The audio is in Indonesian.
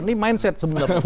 ini mindset sebenarnya